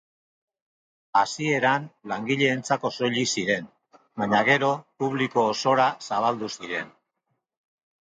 Hasieran langileentzako soilik ziren baina gero publiko osora zabaldu ziren.